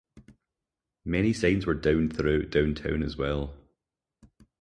Many signs were downed throughout downtown as well.